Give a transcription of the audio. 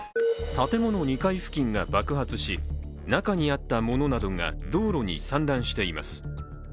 建物２階付近が爆発し中にあったものなどが道路に散乱しています。